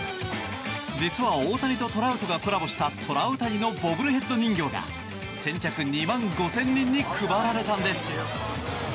実は大谷とトラウトがコラボしたトラウタニのボブルヘッド人形が先着２万５０００人に配られたんです。